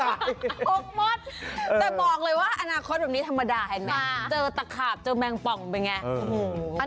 แต่บอกเลยว่าอนาคตแบบนี้ธรรมดาฮะแม่งจะมีตะขาบเจอแมงป่องเป็นยังไง